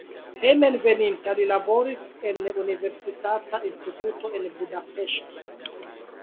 Hejmenveninta li laboris en universitata instituto en Budapeŝto.